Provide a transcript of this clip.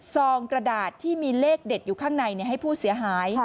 ซองกระดาษที่มีเลขเด็ดอยู่ข้างในให้ผู้เสียหาย